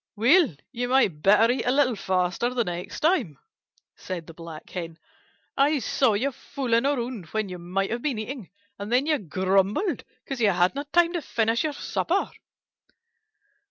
"Well, you might better eat a little faster the next time," said the Black Hen. "I saw you fooling around when you might have been eating, and then you grumbled because you hadn't time to finish your supper."